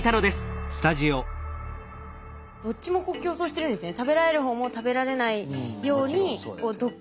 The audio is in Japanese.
どっちも競争してるんですね。